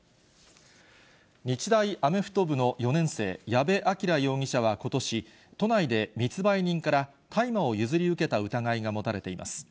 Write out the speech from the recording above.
日大アメフト部の４年生、矢部あきら容疑者はことし、都内で密売人から大麻を譲り受けた疑いが持たれています。